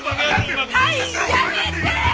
はいやめて！